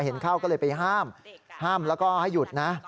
เห็นเข้าก็เลยไปห้ามห้ามแล้วก็ให้หยุดนะ